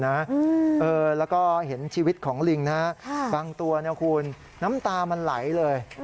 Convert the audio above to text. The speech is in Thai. แล้วก็เห็นชีวิตของลิงนะฮะบางตัวเนี่ยคุณน้ำตามันไหลเลย